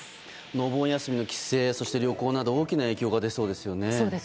お盆休みの帰省や旅行など大きな影響が出そうですね。